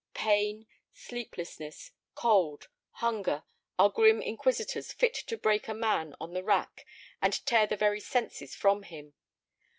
Pain, sleeplessness, cold, hunger, are grim inquisitors fit to break a man on the rack and tear the very senses from him.